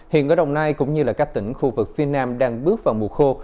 hiện ở đồng nai cũng như các tỉnh khu vực phía nam đang bước vào mùa khô